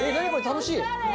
楽しい！